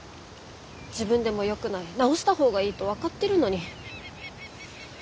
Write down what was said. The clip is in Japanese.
自分でもよくない直した方がいいと分かってるのに。